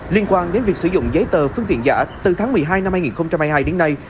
liên quan đến việc sử dụng giấy tờ phương tiện giả từ tháng một mươi hai năm hai nghìn hai mươi hai đến nay